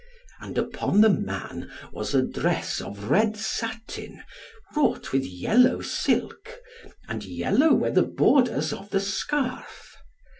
And upon the man was a dress of red satin wrought with yellow silk, and yellow were the borders of his scarf.